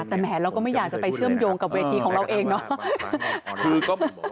แต่แหมเราก็ไม่อยากจะไปเชื่อมโยงกับเวทีของเราเองเนาะ